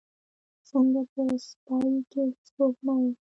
څنګه په سیپۍ کې سپوږمۍ